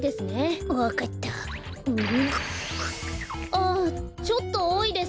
ああちょっとおおいです。